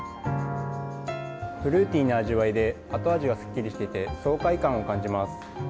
フルーティーな味わいで、後味がすっきりしていて、爽快感を感じます。